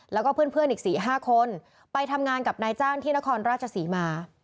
แล้วก็เพื่อนเพื่อนอีกสี่ห้าคนไปทำงานกับนายจ้างที่นครราชสีมา